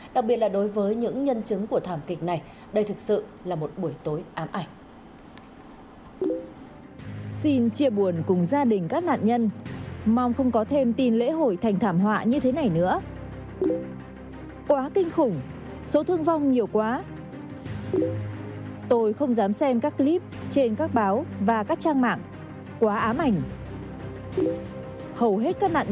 đặc biệt là đối với những nhân chứng của thảm kịch này đây thực sự là một buổi tối ám ảnh